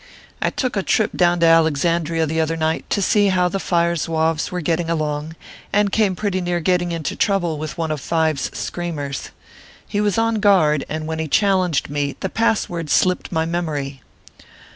I took a trip down to Alexandria the other night, to see how the Fire Zouaves were getting along, and came pretty near getting into trouble with one of Five s screamers. He was on guard ; and when he challenged me, the pass word slipped my memory.